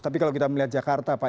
tapi kalau kita melihat jakarta pak